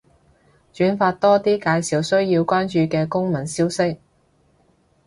轉發多啲介紹需要關注嘅公民消息